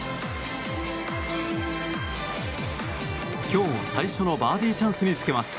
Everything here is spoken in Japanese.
今日最初のバーディーチャンスにつけます。